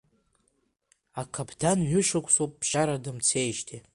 Акаԥдан ҩышықәсоуп ԥсшьара дымцеижьҭеи.